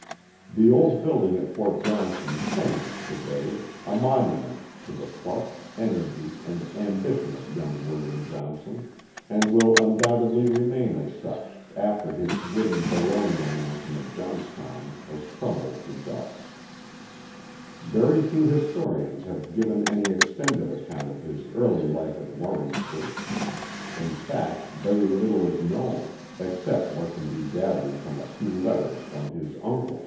The old building at Fort Johnson stands to day, a monu ment to the pluck, energy, and ambition of young William Johnson, and will undoubtedly remain as such after his wooden baronial mansion at Johnstown has crumbled to dust. 132 The Mohawk Valley Very few historians have given any extended account of his" early life at VVarrensbush ; in fact, very little is known, except what can be gathered from a few letters from his uncle.